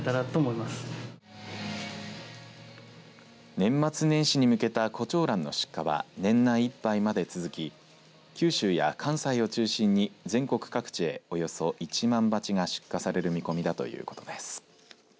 年末年始に向けたコチョウランの出荷は年内いっぱいまで続き九州や関西を中心に全国各地へおよそ１万鉢が出荷される見込みだということです。